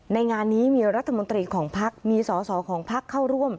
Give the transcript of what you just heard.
ในงานนี้มีรัฐมนตรีของพักมีสอสอของพักเข้าร่วม